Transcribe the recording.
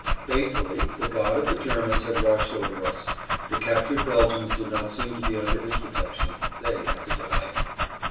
Faithfully the God of the Germans had watched over us; the captured Belgians did not seem to be under his protection. They had to die.